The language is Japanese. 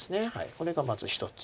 これがまず１つ。